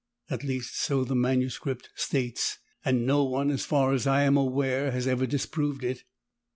At least so the MS. states, and no one, as far as I am aware, has ever disproved it.